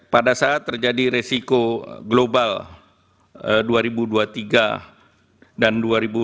pada saat terjadi resiko global dua ribu dua puluh tiga dan dua ribu dua puluh